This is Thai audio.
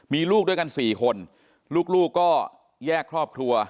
มีลูกด้วยกัน๔คนลูกก็แยกครอบครัว